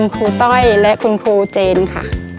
ครูต้อยและคุณครูเจนค่ะ